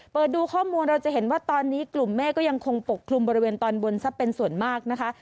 ดูข้อมูลเราจะเห็นว่าตอนนี้กลุ่มเมฆก็ยังคงปกคลุมบริเวณตอนบนซะเป็นส่วนมากนะคะ